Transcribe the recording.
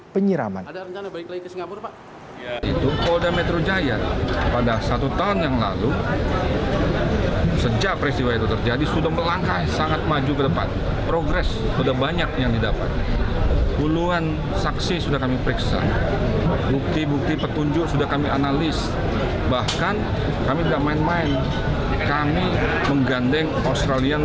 penyidik polri blikjan polisi muhammad iqbal mengatakan